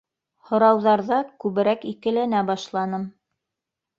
Һорауҙарҙа күберәк икеләнә башланым.